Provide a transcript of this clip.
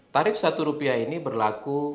tarif rp satu ini berlaku